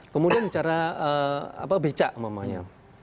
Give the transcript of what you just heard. kemudian bicara becak umumnya